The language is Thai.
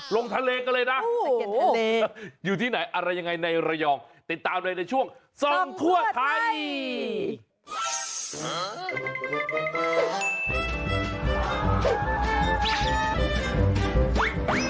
ลงทะเลกันเลยนะอยู่ที่ไหนอะไรยังไงในระยองติดตามเลยในช่วงส่องทั่วไทย